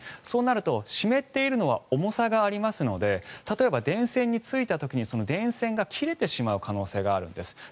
そうなると湿っているのは重さがありますので例えば、電線についた時にその電線が切れてしまう可能性があるんです。